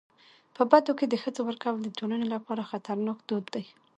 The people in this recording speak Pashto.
په بدو کي د ښځو ورکول د ټولني لپاره خطرناک دود دی.